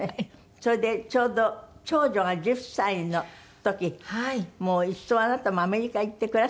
それでちょうど長女が１０歳の時もういっそあなたもアメリカ行って暮らそうかと。